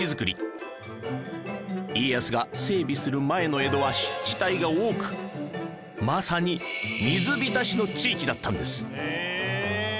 家康が整備する前の江戸は湿地帯が多くまさに水浸しの地域だったんです